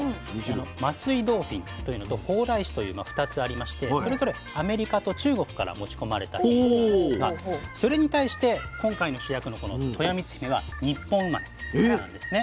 桝井ドーフィンというのと蓬莱柿という２つありましてそれぞれアメリカと中国から持ち込まれたということなんですがそれに対して今回の主役のこのとよみつひめは日本生まれになるんですね。